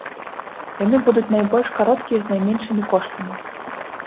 Яны будуць найбольш кароткія з найменшымі коштамі.